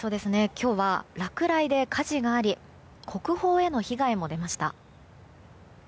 今日は、落雷で火事があり国宝への被害も出ました。